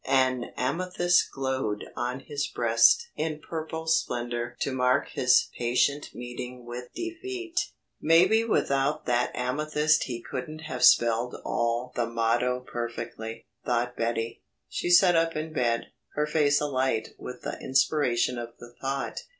"An amethyst glowed on his breast in purple splendour to mark his patient meeting with Defeat!" "Maybe without that amethyst he couldn't have spelled all the motto perfectly," thought Betty. She sat up in bed, her face alight with the inspiration of the thought.